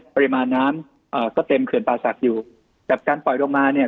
ปริมาณน้ำอ่าก็เต็มเขื่อนป่าศักดิ์อยู่กับการปล่อยลงมาเนี่ย